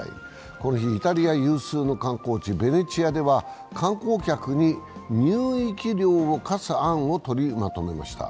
この日、イタリア有数の観光地ベネチアでは観光客に入域料を課す案を取りまとめました。